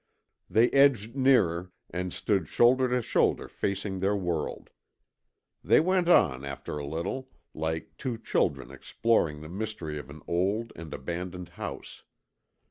They edged nearer, and stood shoulder to shoulder facing their world. They went on after a little, like two children exploring the mystery of an old and abandoned house.